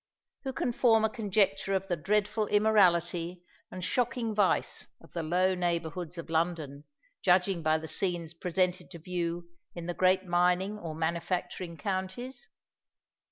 Who can form a conjecture of the dreadful immorality and shocking vice of the low neighbourhoods of London, judging by the scenes presented to view in the great mining or manufacturing counties?